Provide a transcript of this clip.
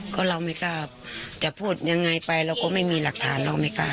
ก็เราไม่กล้าจะพูดยังไงไปเราก็ไม่มีหลักฐานเราไม่กล้า